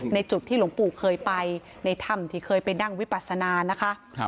ในจุดที่หลวงปู่เคยไปในถ้ำที่เคยไปนั่งวิปัสนานะคะ